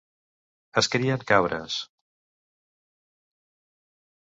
Es crien cabres.